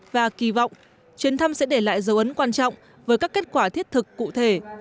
và kỳ vọng chuyến thăm sẽ để lại dấu ấn quan trọng với các kết quả thiết thực cụ thể